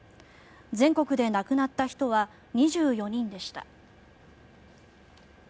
全国で亡くなった人は２４人でした。